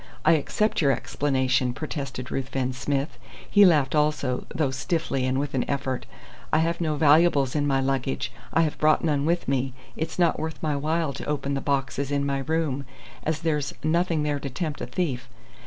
I accept your explanation," protested Ruthven Smith. He laughed also, though stiffly and with an effort. "I have no valuables in my luggage I have brought none with me. It's not worth my while to open the boxes in my room, as there's nothing there to tempt a thief.